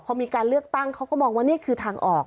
พอมีการเลือกตั้งเขาก็มองว่านี่คือทางออก